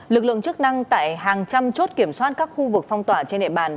lực lượng chức năng tại hàng trăm chốt kiểm soát các khu vực phong tỏa trên địa bàn